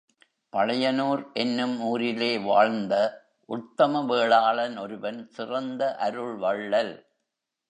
பழையனூர் என்னும் ஊரிலே வாழ்ந்த உத்தம வேளாளன் ஒருவன் சிறந்த அருள்வள்ளல்.